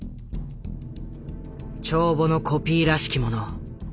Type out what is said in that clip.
帳簿のコピーらしきもの。